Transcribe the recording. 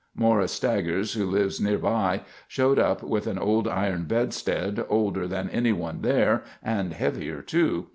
Morris Staggers, who lives nearby, showed up with an old iron bedstead, older than anyone there, and heavier, too.